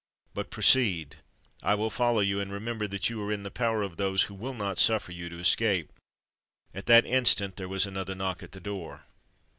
But proceed—I will follow you: and remember that you are in the power of those who will not suffer you to escape." At that instant there was another knock at the door.